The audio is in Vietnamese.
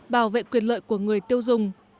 bảo vệ quyền lợi của người tiêu dùng